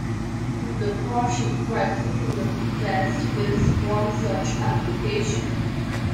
The Cauchy Criterion test is one such application.